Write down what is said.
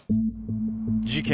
事件